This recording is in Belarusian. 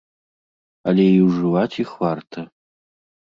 Але і ўжываць іх варта.